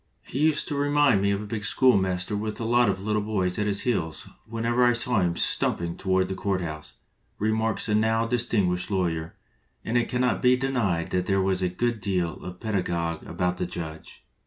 "He used to remind me of a big schoolmaster with a lot of little boys at his heels whenever I saw him stumping toward the court house," remarks a now distinguished lawyer, and it cannot be denied that there was a good deal of the pedagogue about the judge.